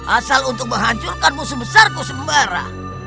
asal untuk menghancurkan musuh besar kusembara